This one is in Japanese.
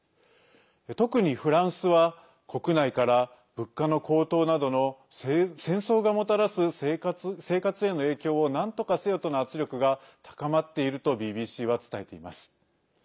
特に、フランスは国内から物価の高騰などの戦争がもたらす生活への影響をなんとかせよとの圧力が高まっているとＢＢＣは伝えています。